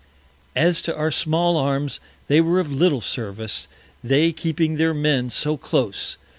As to our small Arms, they were of little Service, they keeping their Men so close.